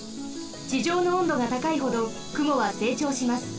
ちじょうの温度がたかいほどくもはせいちょうします。